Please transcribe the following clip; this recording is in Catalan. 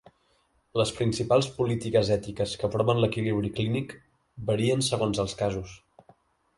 Les principals polítiques ètiques que aproven l'equilibri clínic varien segons els casos.